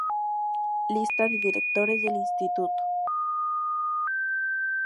Lista de directores del instituto